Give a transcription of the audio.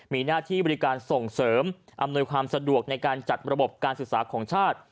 มีหน้าที่บริการส่งเสริมอำนวยความสะดวกในการจัดระบบการศึกษาของชาติ